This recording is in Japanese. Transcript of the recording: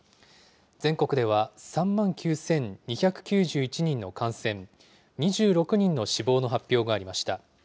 全国では３万９２９１人の感染、２６人の死亡の発表がありました。